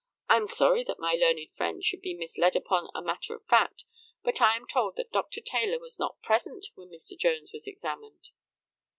I am sorry that my learned friend should be misled upon a matter of fact; but I am told that Dr. Taylor was not present when Mr. Jones was examined.